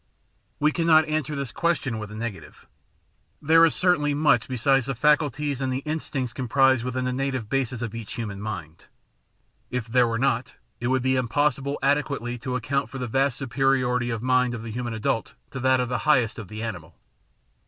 We cannot answer this question with a negative. There is certainly much beside the faculties and the instincts com prised within the native basis of each human mind. If there were not, it would be impossible adequately to account for the vast superiority of mind of the himian adult to that of the highest of the animal.